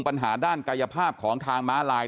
ปัญหาด้านกายภาพของทางม้าลาย